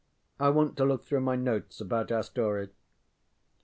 I want to look through my notes about our story.